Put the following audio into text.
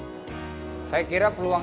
saya kira peluangnya ini akan berlangsung